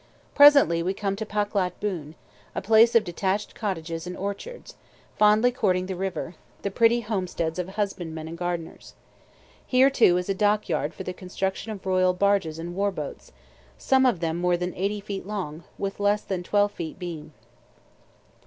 Presently we come to Paklat Boon, a place of detached cottages and orchards, fondly courting the river, the pretty homesteads of husbandmen and gardeners. Here, too, is a dock yard for the construction of royal barges and war boats, some of them more than eighty feet long, with less than twelve feet beam.